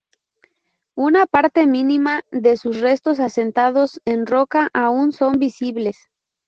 Una parte mínima de sus restos asentados en roca aún son visibles.